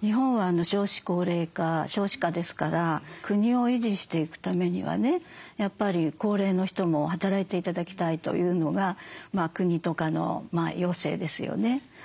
日本は少子高齢化少子化ですから国を維持していくためにはねやっぱり高齢の人も働いて頂きたいというのが国とかの要請ですよね。